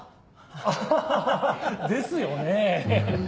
アハハハですよね。